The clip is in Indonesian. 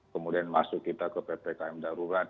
kemudian masuk kita ke ppkm darurat